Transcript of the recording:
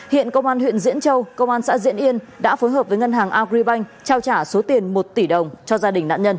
hiện công an huyện diễn châu công an xã diễn yên đã phối hợp với ngân hàng agribank trao trả số tiền một tỷ đồng cho gia đình nạn nhân